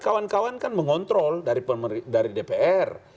kawan kawan kan mengontrol dari dpr